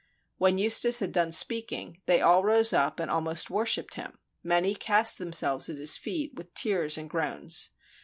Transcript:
When Eustace had done speaking, they all rose up and almost worshiped him: many cast themselves at his feet with tears and groans.